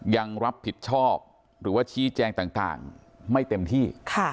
ยังรับผิดชอบหรือว่าชี้แจงต่างไม่เต็มที่